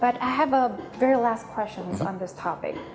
tapi saya punya pertanyaan terakhir